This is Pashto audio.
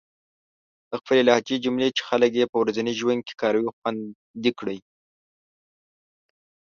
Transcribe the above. د خپلې لهجې جملې چې خلک يې په ورځني ژوند کې کاروي، خوندي کړئ.